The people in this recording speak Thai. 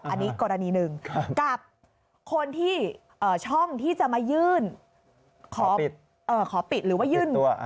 อันนี้กรณีหนึ่งกับคนที่ช่องที่จะมายื่นขอปิดหรือว่ายื่น